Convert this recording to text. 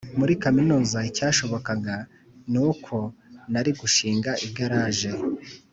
muri kaminuza icyashobokaga ni uko nari gushinga igaraje